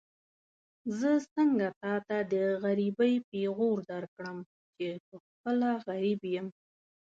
زه څنګه تاته د غريبۍ پېغور درکړم چې پخپله غريب يم.